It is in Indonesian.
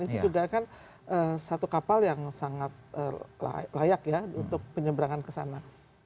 itu dia kan satu kapal yang sangat layak ya untuk penyeberangan ke sana